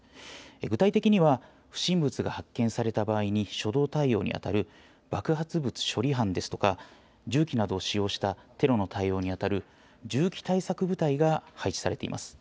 具体的には、不審物が発見された場合に初動対応に当たる爆発物処理班ですとか、銃器などを使用したテロの対応に当たる銃器対策部隊が配置されています。